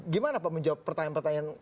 gimana pak menjawab pertanyaan pertanyaan